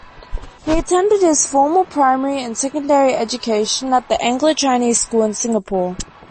He attended his formal primary and secondary education at the Anglo-Chinese School in Singapore.